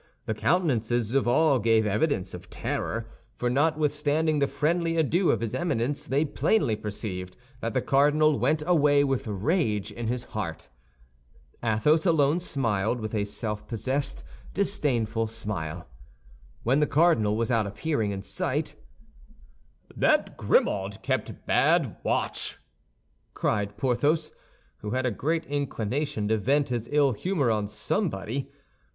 The countenances of all gave evidence of terror, for notwithstanding the friendly adieu of his Eminence, they plainly perceived that the cardinal went away with rage in his heart. Athos alone smiled, with a self possessed, disdainful smile. When the cardinal was out of hearing and sight, "That Grimaud kept bad watch!" cried Porthos, who had a great inclination to vent his ill humor on somebody.